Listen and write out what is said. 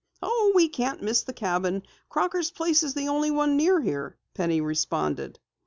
"Oh, we can't miss the cabin. Crocker's place is the only one near here," Penny responded.